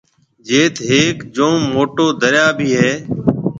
جيٿ هيڪ جوم موٽو دريا ڀِي هيَ۔